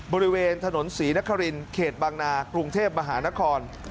บริเวณถนนศรีนครินเขตบางนากรุงเทพมหานคร